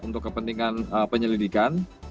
untuk kepentingan penyelidikan